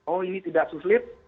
oh ini tidak suslit